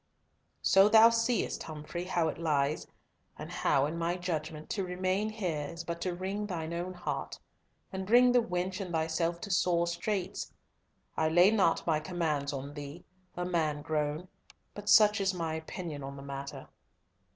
So thou seest, Humfrey, how it lies, and how, in my judgment, to remain here is but to wring thine own heart, and bring the wench and thyself to sore straits. I lay not my commands on thee, a man grown, but such is my opinion on the matter."